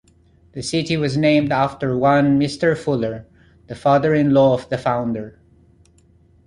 The city was named after one Mr. Fuller, the father-in-law of the founder.